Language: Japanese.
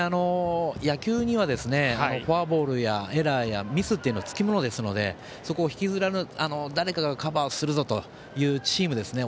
野球にはフォアボールやエラーやミスはつきものですのでそこを誰かがカバーするぞとチームですね。